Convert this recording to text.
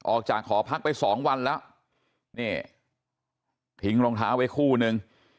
ออกจากหอพักไปสองวันแล้วนี่ทิ้งรองเท้าไว้คู่นึง